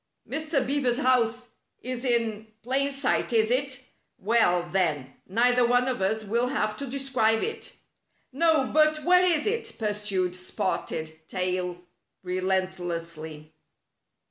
"Mr. Beaver's house is in plain sight, is it? Well, then, neither one of us will have to describe it." "No, but where is it?" pursued Spotted Tail relentlessly.